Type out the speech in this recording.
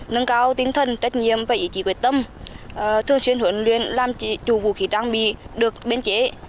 nâng cao tinh thần trách nhiệm và ý chí quyết tâm thường xuyên huấn luyện làm chủ vũ khí trang bị được biên chế